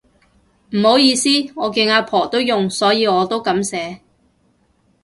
唔好意思，我見阿婆都用所以我都噉寫